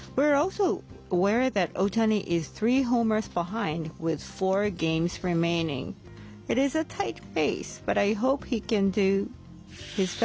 そうですね。